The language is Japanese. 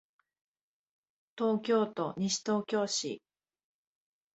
東京都西東京市